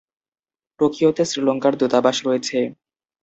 টোকিওতে শ্রীলঙ্কার দূতাবাস রয়েছে।